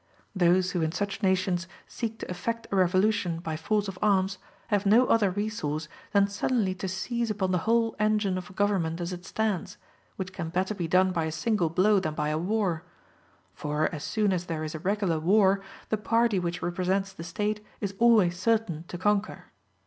Those who in such nations seek to effect a revolution by force of arms have no other resource than suddenly to seize upon the whole engine of government as it stands, which can better be done by a single blow than by a war; for as soon as there is a regular war, the party which represents the State is always certain to conquer.